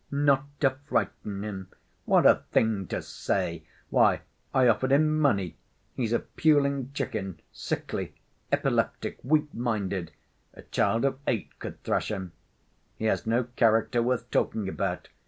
'Not to frighten him.' What a thing to say! Why, I offered him money. He's a puling chicken—sickly, epileptic, weak‐minded—a child of eight could thrash him. He has no character worth talking about.